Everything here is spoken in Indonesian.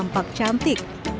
dengan tampak cantik